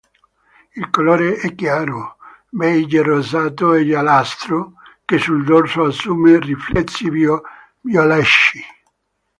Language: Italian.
Il colore è chiaro, beige rosato o giallastro, che sul dorso assume riflessi violacei.